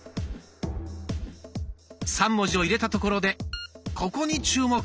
３文字を入れたところでここに注目！